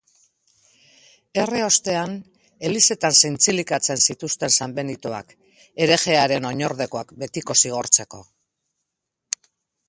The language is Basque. Erre ostean, elizetan zintzilikatzen zituzten sanbenitoak, herejearen oinordekoak betiko zigortzeko.